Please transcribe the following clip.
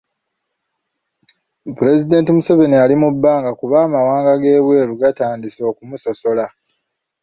Pulezidenti Museveni ali mu bbanga kuba amawanga g'ebweru batandise okumusosola.